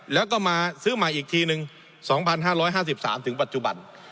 แล้วก็มาซื้อใหม่อีกทีนึง๒๕๕๓ถึงปัจจุบัน